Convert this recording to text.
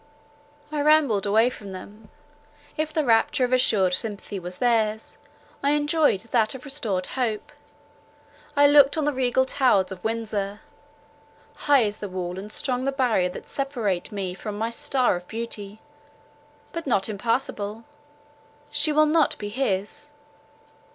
I rambled away from them. If the rapture of assured sympathy was theirs, I enjoyed that of restored hope. I looked on the regal towers of Windsor. High is the wall and strong the barrier that separate me from my Star of Beauty. But not impassible. She will not be his.